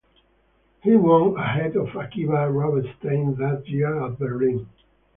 He won, ahead of Akiba Rubinstein that year at Berlin.